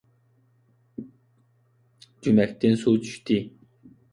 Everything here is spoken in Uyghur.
جۈمەكتىن سۇ چۈشتى.